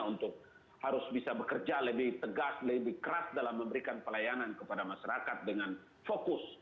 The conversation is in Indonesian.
untuk harus bisa bekerja lebih tegas lebih keras dalam memberikan pelayanan kepada masyarakat dengan fokus